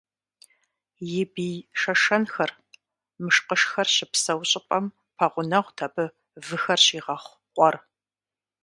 И бий шэшэнхэр, мышкъышхэр щыпсэу щӏыпӏэм пэгъунэгъут абы выхэр щигъэхъу къуэр.